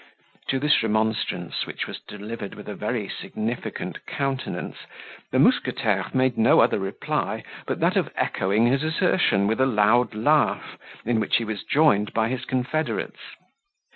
To this remonstrance, which was delivered with a very significant countenance, the mousquetaire made no other reply, but that of echoing his assertion with a loud laugh, in which he was joined by his confederates.